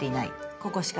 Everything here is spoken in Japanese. ここしか。